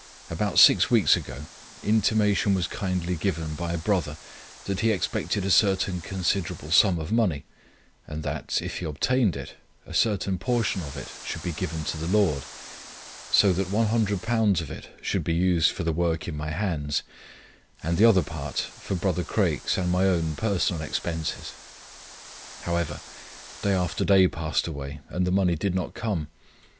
About six weeks ago intimation was kindly given by a brother that he expected a certain considerable sum of money, and that, if he obtained it, a certain portion of it should be given to the Lord, so that £100 of it should be used for the work in my hands, and the other part for Brother Craik's and my own personal expenses. However, day after day passed away, and the money did not come.